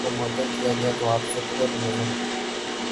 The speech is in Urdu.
کو معطل کیا گیا تو آپ نے پھر نظم